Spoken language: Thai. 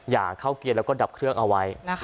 อย่าเข้าเกียร์แล้วก็ดับเครื่องเอาไว้